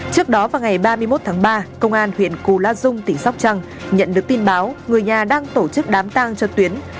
trước đó vào ngày ba mươi một tháng ba công an huyện cù la dung tỉnh sóc trăng nhận được tin báo người nhà đang tổ chức đám tang cho tuyến